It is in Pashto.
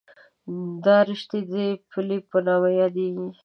دا رشتې د پلې په نامه یادېږي.